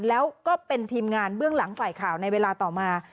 แล้วก็เป็นทีมงานเบื้องหลังฝ่ายข่าวในเวลาต่อมา